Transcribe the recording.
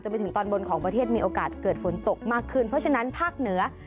ไปถึงตอนบนของประเทศมีโอกาสเกิดฝนตกมากขึ้นเพราะฉะนั้นภาคเหนือ